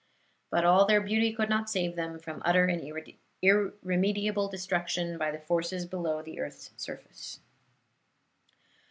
But all their beauty could not save them from utter and irremediable destruction by the forces below the earth's surface.